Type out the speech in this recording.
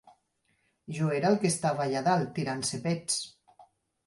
Jo era el que estava allà dalt tirant-se pets.